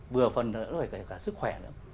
vừa phần là phải cả sức khỏe nữa